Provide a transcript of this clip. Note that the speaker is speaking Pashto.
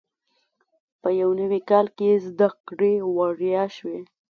په یو نوي کال کې زده کړې وړیا شوې.